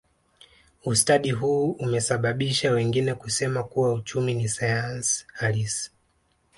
Ustadi huu umesababisha wengine kusema kuwa uchumi ni sayansi halisi